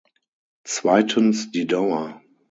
Zweitens, die Dauer.